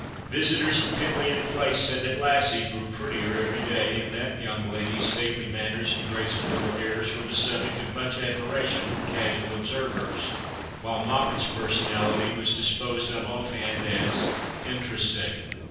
Visitors at Penlyon Place said that Lassie grew prettier every day, and that young lady's stately manners and graceful little airs were the subject of much admira tion from casual observers, while Moppet's personality was disposed of off hand as " interesting."